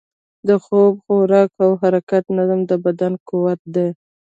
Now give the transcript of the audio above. د خوب، خوراک او حرکت نظم، د بدن قوت دی.